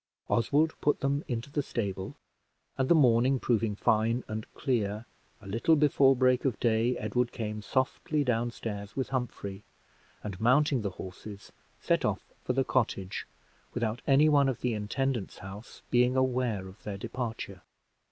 Oswald put them into the stable; and the morning proving fine and clear, a little before break of day, Edward came softly down stairs with Humphrey, and, mounting the horses, set off for the cottage, without any one in the intendant's house being aware of their departure.